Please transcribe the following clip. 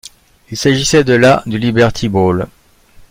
Il s'agissait de la du Liberty Bowl.